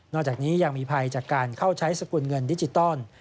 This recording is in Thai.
จากนี้ยังมีภัยจากการเข้าใช้สกุลเงินดิจิตอล